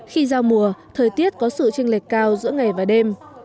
khi giao mùa thời tiết có sự tranh lệch cao giữa ngày và đêm